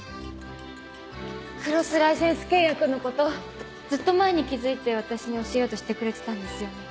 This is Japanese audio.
クロスライセンス契約のことずっと前に気付いて私に教えようとしてくれてたんですよね。